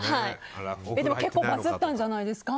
結構バズったんじゃないですか